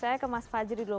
saya ke mas fajri dulu